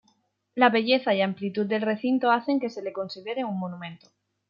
La belleza y amplitud del recinto hacen que se le considere un monumento.